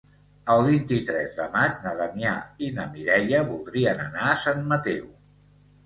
El vint-i-tres de maig na Damià i na Mireia voldrien anar a Sant Mateu.